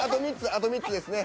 あと３つですね。